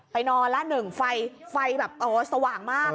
ไปนอนแล้วหนึ่งไฟแบบสว่างมาก